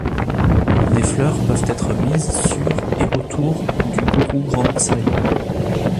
Des fleurs peuvent être mises sur et autour du Guru Granth Sahib.